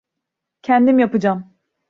Kendim yapacağım.